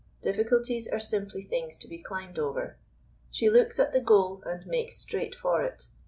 Difficulties are simply things to be climbed over. She looks at the goal and makes straight for it.